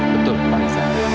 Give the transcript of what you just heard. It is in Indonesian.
betul pak riza